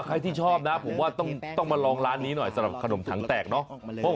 ใครที่ชอบนะผมว่าต้องมาลองร้านนี้หน่อยสำหรับขนมถังแตกเนาะ